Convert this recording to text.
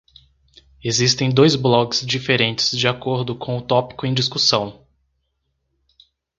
Existem dois blogs diferentes de acordo com o tópico em discussão.